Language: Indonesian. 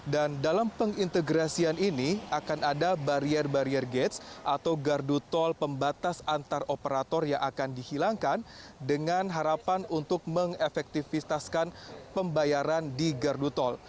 dan dalam pengintegrasian ini akan ada barier barier gates atau gardu tol pembatas antar operator yang akan dihilangkan dengan harapan untuk mengefektivistaskan pembayaran di gardu tol